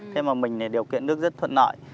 thế mà mình điều kiện nước rất thuận lợi